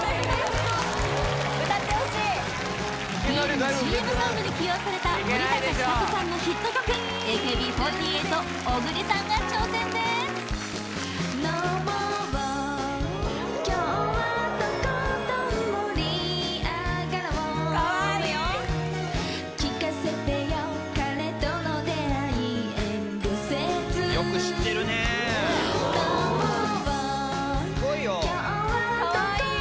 歌ってほしいビールのＣＭソングに起用された森高千里さんのヒット曲ＡＫＢ４８・小栗さんが挑戦です・かわいいすごいよ・かわいい・うまい・かわいい